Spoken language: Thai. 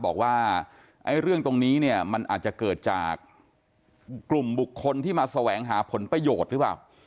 บอกว่าเรื่องตรงนี้เนี่ยมันอาจจะเกิดจากกลุ่มบุคคลที่มาแสวงหาผลประโยชน์หรือเปล่า